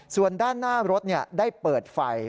ส่วนด้านหน้ารถได้เปิดไฟ